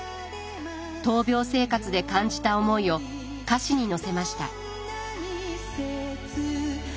闘病生活で感じた思いを歌詞に乗せました。